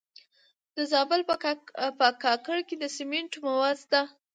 د زابل په کاکړ کې د سمنټو مواد شته.